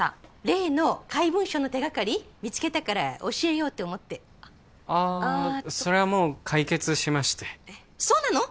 例の怪文書の手掛かり見つけたから教えようと思ってあそれはもう解決しましてそうなの？